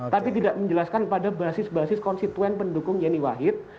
tapi tidak menjelaskan pada basis basis konstituen pendukung yeni wahid